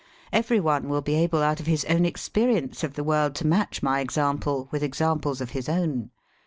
Every one will be able out of his own experience of the world to match my example with examples of his own.